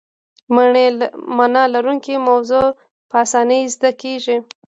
معنی لرونکې موضوع په اسانۍ زده کیږي.